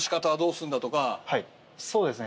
そうですね。